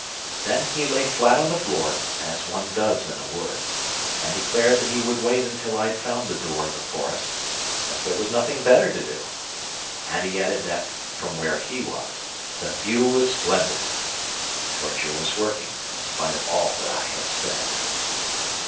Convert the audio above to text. Then he lay flat on the floor, as one does in a wood, and declared that he would wait until I found the door of the forest, as there was nothing better to do! And he added that, from where he was, "the view was splendid!" The torture was working, in spite of all that I had said.